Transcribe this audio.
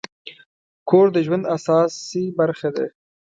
کور د ژوند اساسي برخه ده.